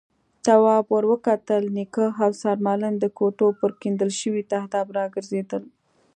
تواب ور وکتل، نيکه او سرمعلم د کوټو پر کېندل شوي تهداب راګرځېدل.